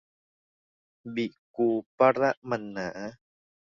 บิกูปะระหมั่นหนา